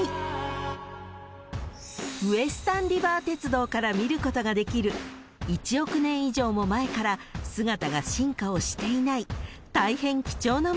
［ウエスタンリバー鉄道から見ることができる１億年以上も前から姿が進化をしていない大変貴重なものとは？］